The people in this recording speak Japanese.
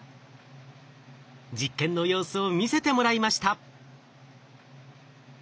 実験の様子を見せてもらいました。